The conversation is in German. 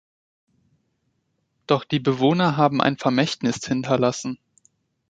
Doch die Bewohner haben ein Vermächtnis hinterlassen.